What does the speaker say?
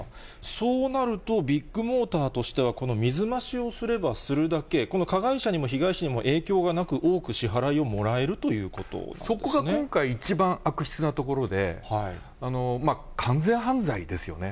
そうなると、ビッグモーターとしては、この水増しをすればするだけ、この加害者にも被害者にも影響がなく、多く支払いをもらえるそこが今回、一番悪質なところで、完全犯罪ですよね。